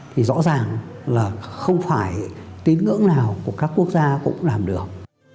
thì rõ ràng là không phải tín ngưỡng nào của các quốc gia cũng làm được